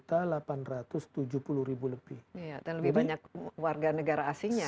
dan lebih banyak warga negara asingnya